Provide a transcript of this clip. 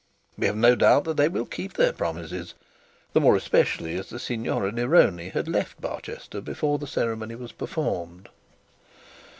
We have no doubt that they will keep their promises; the more especially as the Signora Neroni had left Barchester before the ceremony was performed.